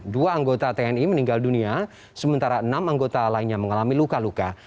dua anggota tni meninggal dunia sementara enam anggota lainnya mengalami luka luka